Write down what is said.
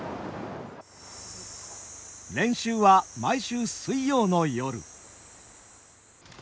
練習は毎週水曜の夜。